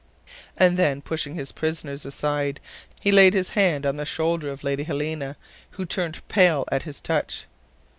And then pushing his prisoners aside, he laid his hand on the shoulder of Lady Helena, who turned pale at his touch.